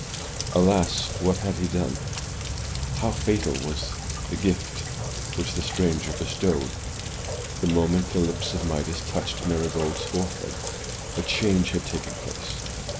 Alas, what had he done. How fatal was the gift which the stranger bestowed! The moment the lips of Midas touched Marygold's forehead, a change had taken place.